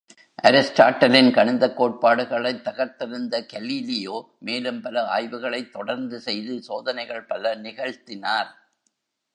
அரிஸ்டாட்டிலின் கணிதக் கோட்பாடுகளைத் தகர்த்தெறிந்த Galileo, மேலும்பல ஆய்வுகளைத் தொடர்த்து செய்து சோதனைகள் பல நிகழ்த்தினார்.